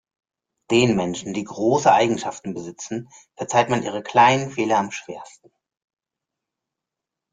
Den Menschen, die große Eigenschaften besitzen, verzeiht man ihre kleinen Fehler am schwersten.